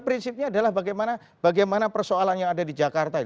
prinsipnya adalah bagaimana persoalan yang ada di jakarta